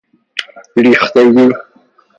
ریختگی